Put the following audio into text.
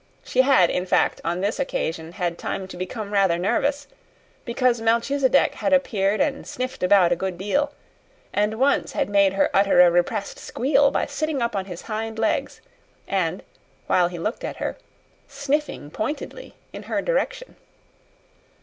She had, in fact, on this occasion had time to become rather nervous, because Melchisedec had appeared and sniffed about a good deal, and once had made her utter a repressed squeal by sitting up on his hind legs and, while he looked at her, sniffing pointedly in her direction.